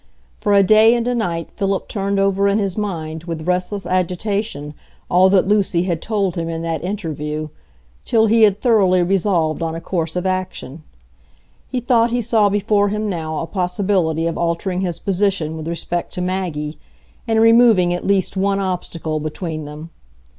For a day and a night Philip turned over in his mind with restless agitation all that Lucy had told him in that interview, till he had thoroughly resolved on a course of action. He thought he saw before him now a possibility of altering his position with respect to Maggie, and removing at least one obstacle between them.